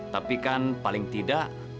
tapi kan paling tidak